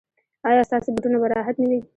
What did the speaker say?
ایا ستاسو بوټونه به راحت نه وي؟